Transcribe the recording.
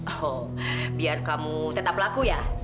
oh biar kamu tetap laku ya